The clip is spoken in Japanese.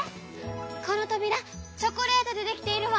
このとびらチョコレートでできているわ！」。